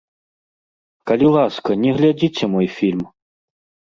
Калі ласка, не глядзіце мой фільм!